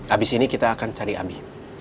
abis ini kita akan cari abi